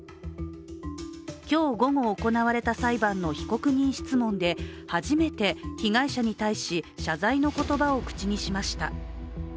今日午後行われた裁判の被告人質問で初めて被害者に対し謝罪の言葉を口にしました。